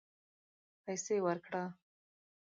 پیسې ورکړه